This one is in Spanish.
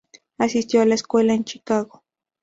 Asistió a la escuela en Chicago.